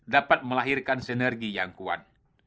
dapat melahirkan sinergi yang kuat